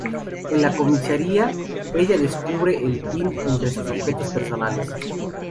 En la comisaría, ella descubre el pin entre sus objetos personales.